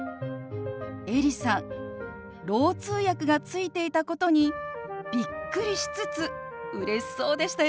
エリさんろう通訳がついていたことにびっくりしつつうれしそうでしたよね。